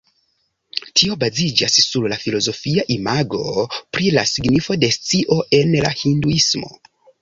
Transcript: Tio baziĝas sur la filozofia imago pri la signifo de scio en la Hinduismo.